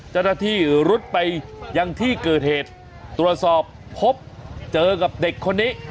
เจ้าหน้าที่รุดไปยังที่เกิดเหตุตรวจสอบพบเจอกับเด็กคนนี้